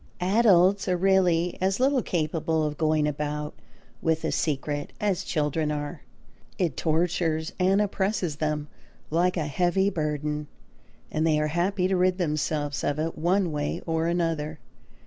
Adults are really as little capable of going about with a secret as children are. It tortures and oppresses them like a heavy burden; and they are happy to rid themselves of it one way or another.